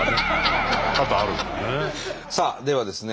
さあではですね